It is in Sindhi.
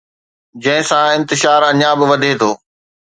جنهن سان انتشار اڃا به وڌي ٿو